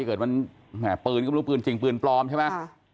เกิดมันแหมปืนก็ไม่รู้ปืนจริงปืนปลอมใช่ไหม